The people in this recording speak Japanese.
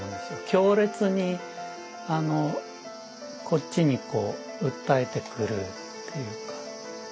強烈にこっちに訴えてくるっていうか。